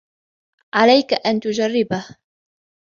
عليك أن تجربه.